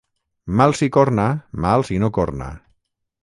Mal si corna, mal si no corna.